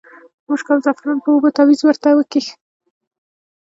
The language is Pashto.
په مشکو او زعفرانو په اوبو تاویز ورته وکیښ.